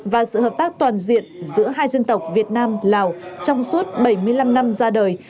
và sự hợp tác toàn diện giữa hai dân tộc việt nam lào trong suốt bảy mươi năm năm ra đời